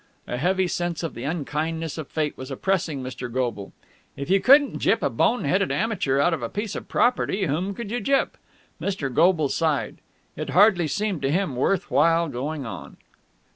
A heavy sense of the unkindness of fate was oppressing Mr. Goble. If you couldn't gyp a bone headed amateur out of a piece of property, whom could you gyp? Mr. Goble sighed. It hardly seemed to him worth while going on.